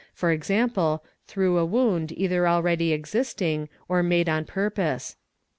through a wound either already existing or made on purpose.